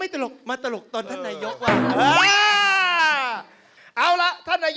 ตลกมาตลกตอนท่านนายกว่ะ